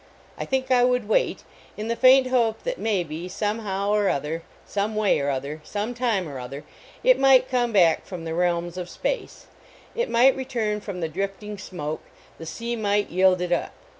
I think I would wait, in the faint hope that may be, some how or other, some way or other, some time or other, it might come back from the realms of space; it might return from the drifting smoke, the sea might yield it up.